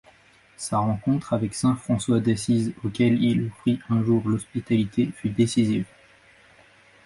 Sa rencontre avec saint François d'Assise, auquel il offrit un jour l'hospitalité fut décisive.